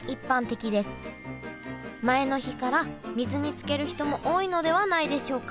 前の日から水につける人も多いのではないでしょうか。